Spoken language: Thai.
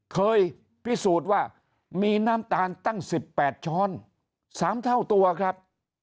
เคยพิสูจน์ว่ามีน้ำตาลตั้ง๑๘ช้อน๓เท่าตัวครับ